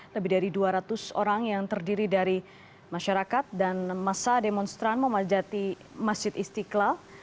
lebih dari dua ratus orang yang terdiri dari masyarakat dan masa demonstran memadati masjid istiqlal